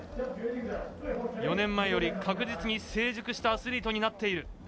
４年前より確実に成熟したアスリートになっている。